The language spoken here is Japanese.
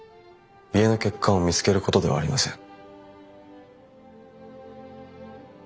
家の欠陥を見つけることではありません。